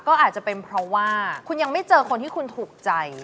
ก็อาจจะเป็นเพราะว่าคุณยังไม่เจอคนที่คุณถูกใจ